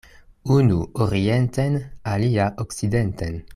Unu orienten, alia okcidenten.